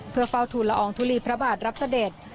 เพื่อเฝ้าทุนละอองทุลีพระบาทรับเสด็จ